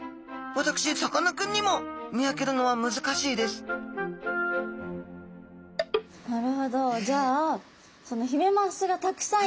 私さかなクンにも見分けるのは難しいですなるほど。